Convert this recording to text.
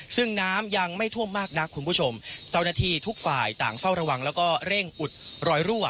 ซึ่งน้ำยังไม่ท่วมมากนักคุณผู้ชมเจ้าหน้าที่ทุกฝ่ายต่างเฝ้าระวังแล้วก็เร่งอุดรอยรั่ว